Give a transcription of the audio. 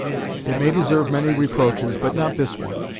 It may deserve many reproaches, but not this one.